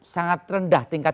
sangat rendah tingkat